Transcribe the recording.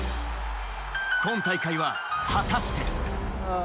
今大会は、果たして。